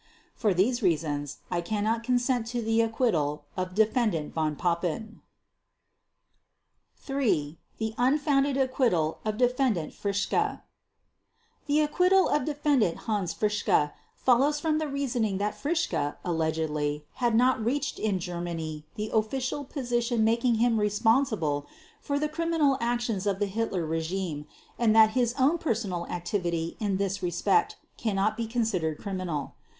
For these reasons I cannot consent to the acquittal of Defendant Von Papen. III. The Unfounded Acquittal of Defendant Fritzsche The acquittal of Defendant Hans Fritzsche follows from the reasoning that Fritzsche, allegedly, had not reached in Germany the official position making him responsible for the criminal actions of the Hitler regime and that his own personal activity in this respect cannot be considered criminal.